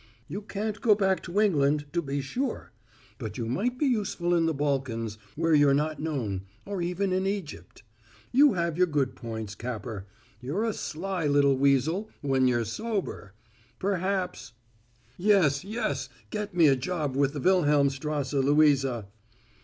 "You can't go back to England, to be sure; but you might be useful in the Balkans, where you're not known, or even in Egypt. You have your good points, Capper; you're a sly little weasel when you're sober. Perhaps " "Yes, yes; get me a job with the Wilhelmstrasse, Louisa!"